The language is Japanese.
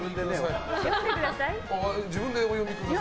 自分でお読みください。